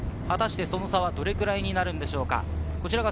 その差はどれくらいになるのでしょうか。